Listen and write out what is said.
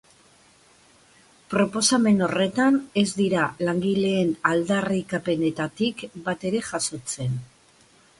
Proposamen horretan ez dira langileen aldarrikapenetatik bat ere jasotzen.